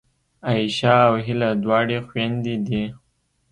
عایشه او هیله دواړه خوېندې دي